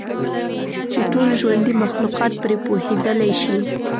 چې ټول ژوندي مخلوقات پرې پوهیدلی شي.